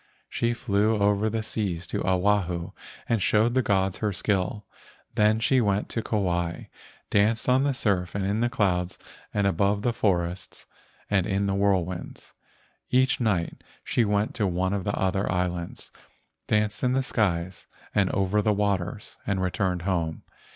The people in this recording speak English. She flew over the seas to Oahu and showed the gods her skill. Then, she went to Kauai, danced on the surf and in the clouds and above the forests and in the whirlwinds. Each night she went to one of the other islands, danced in the skies and over the waters, and returned home.